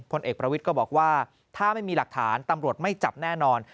พลเอกประวิทย์ก็บอกว่าถ้าไม่มีหลักฐานตำรวจไม่จับแน่นอน